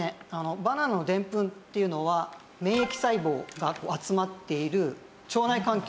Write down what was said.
バナナのでんぷんっていうのは免疫細胞が集まっている腸内環境